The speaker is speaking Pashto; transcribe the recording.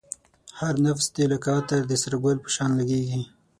هر نفس دی لکه عطر د سره گل په شان لگېږی